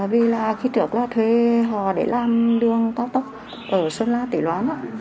vì là khi trước là thuê họ để làm đường tóc tóc ở sơn la tỉ loan